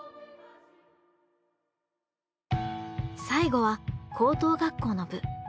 最後は高等学校の部。